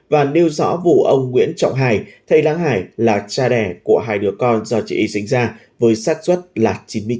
và nêu rõ vụ ông nguyễn trọng hải thay lãng hải là cha đẻ của hai đứa con do chị y dính ra với sát xuất là chín mươi chín chín mươi chín